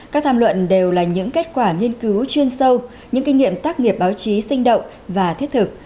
các tham luận đều là những kết quả nghiên cứu chuyên sâu những kinh nghiệm tác nghiệp báo chí sinh động và thiết thực